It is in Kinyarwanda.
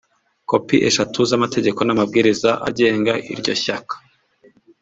Kopi eshatu ( z’amategeko n’amabwiriza agenga iryo shyaka)